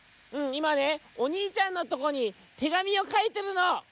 「うんいまねおにいちゃんのとこに手紙をかいてるの」。